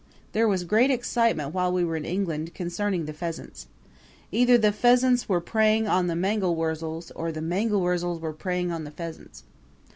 There was great excitement while we were in England concerning the pheasants. Either the pheasants were preying on the mangel wurzels or the mangel wurzels were preying on the pheasants.